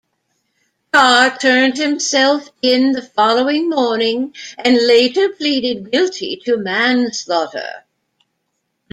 Carr turned himself in the following morning and later pleaded guilty to manslaughter.